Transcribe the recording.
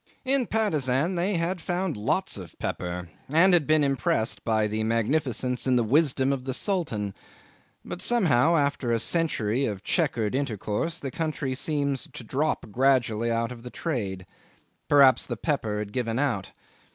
'In Patusan they had found lots of pepper, and had been impressed by the magnificence and the wisdom of the Sultan; but somehow, after a century of chequered intercourse, the country seems to drop gradually out of the trade. Perhaps the pepper had given out.